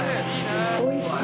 おいしい！